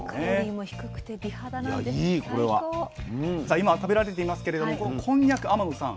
今食べられていますけれどもこのこんにゃく天野さん